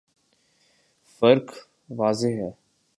فرق واضح ہے۔